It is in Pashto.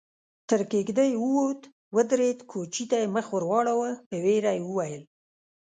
تر کېږدۍ ووت، ودرېد، کوچي ته يې مخ ور واړاوه، په وېره يې وويل: